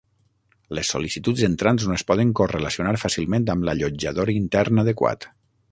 Les sol·licituds entrants no es poden correlacionar fàcilment amb l'allotjador intern adequat.